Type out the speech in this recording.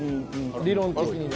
理論的にね。